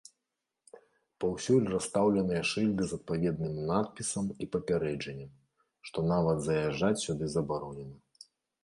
Паўсюль расстаўленыя шыльды з адпаведным надпісам і папярэджаннем, што нават заязджаць сюды забаронена.